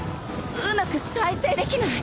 うまく再生できない